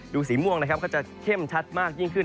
สีม่วงนะครับก็จะเข้มชัดมากยิ่งขึ้น